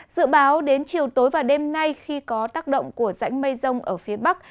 dự báo đến chiều tối và đêm nay khi có tác động của rãnh mây rông ở phía bắc